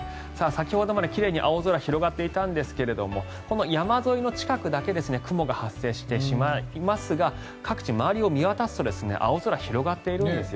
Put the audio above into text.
先ほどまで奇麗に青空が広がっていたんですがこの山沿いの近くだけ雲が発生してしまいますが各地周りを見渡すと青空が広がっているんです。